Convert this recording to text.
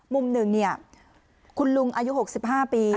มุมหนึ่งเนี่ยคุณลุงอายุหกสิบห้าปี